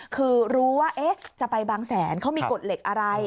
คือรู้ว่าจะไปบางแสนเขามีกฎเหล็กอะไร